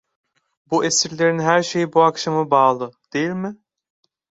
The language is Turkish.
Bu esirlerin her şeyi bu akşama bağlı, değil mi?